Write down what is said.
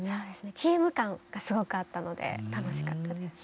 チーム感がすごくあったので楽しかったです。